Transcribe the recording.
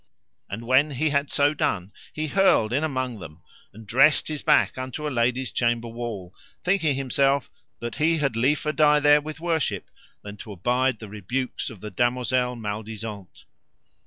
And when he had so done he hurled in among them, and dressed his back unto a lady's chamber wall, thinking himself that he had liefer die there with worship than to abide the rebukes of the damosel Maledisant.